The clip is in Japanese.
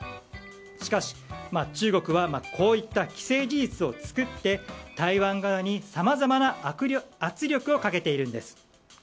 しかし、中国はこういった既成事実を作って台湾側にさまざまな圧力をかけているんです。